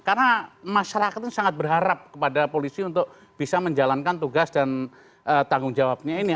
karena masyarakat sangat berharap kepada polisi untuk bisa menjalankan tugas dan tanggung jawabnya ini